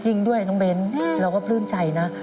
จริงด้วยน้องเบ้นเราก็ปลื้มใจนะ